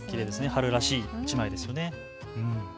春らしい１枚ですね。